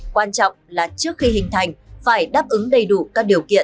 quan trọng là trước khi hình thành phải đáp ứng đầy đủ các điều kiện